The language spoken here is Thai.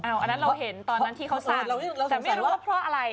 อันนั้นเราเห็นตอนนั้นที่เขาสั่งแต่ไม่รู้ว่าเพราะอะไร